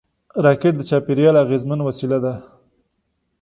راکټ د چاپېریال اغېزمن وسیله ده